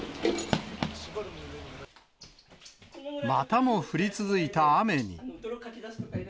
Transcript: またも降り続いた雨に。